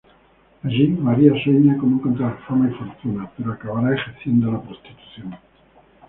Allí, María sueña con encontrar fama y fortuna pero acabará ejerciendo la prostitución.